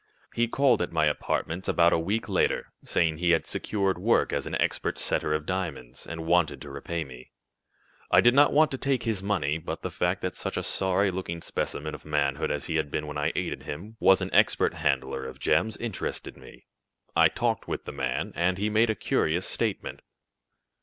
He called at my apartments about a week later, saying he had secured work as an expert setter of diamonds, and wanted to repay me. I did not want to take his money, but the fact that such a sorry looking specimen of manhood as he had been when I aided him, was an expert handler of gems interested me. I talked with the man, and he made a curious statement.